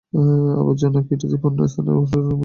আবর্জনা-কীটাদি-পূর্ণ স্থানে আহারকে নিমিত্তদোষ বলে।